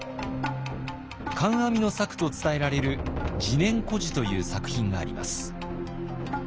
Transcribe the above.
観阿弥の作と伝えられる「自然居士」という作品があります。